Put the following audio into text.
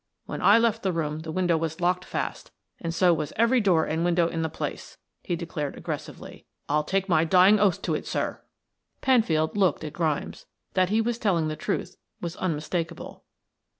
When I left the room the window was locked fast, and so was every door and window in the place," he declared aggressively. "I'll take my dying oath to it, sir." Penfield looked at Grimes; that he was telling the truth was unmistakable.